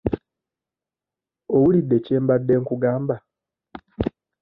Owulidde kye mbadde nkugamba?